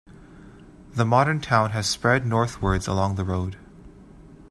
The modern town has spread northwards along the road.